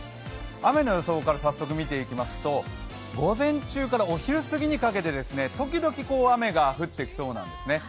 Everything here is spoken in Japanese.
雨の予想から早速見ていきますと午前中からお昼過ぎにかけて時々雨が降ってきそうなんですね。